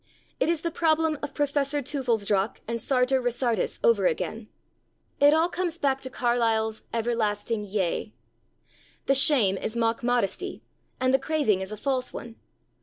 It is the problem of Professor Teufelsdrockh and Sartor Resartus over again. It all comes back to Carlyle's 'Everlasting Yea.' The shame is mock modesty; and the craving is a false one.